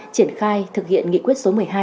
triển khai thực hiện nghị quyết số một mươi hai